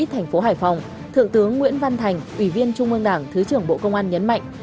tướng nguyễn văn thành ủy viên trung ương đảng thứ trưởng bộ công an nhấn mạnh